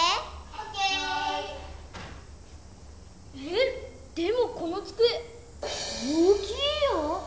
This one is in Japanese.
えっ⁉でもこのつくえ大きいよ！